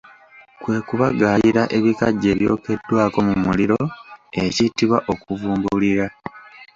Kwe kubagaayira ebikajjo ebyokeddwako mu muliro ekiyitibwa okuvumbulira.